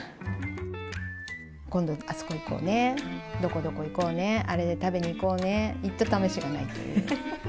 今度あそこ行こうね、どこどこ行こうね、あれ食べに行こうね、行ったためしがない？